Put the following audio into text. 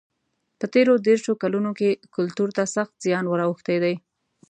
په تېرو دېرشو کلونو کې کلتور ته سخت زیان ور اوښتی دی.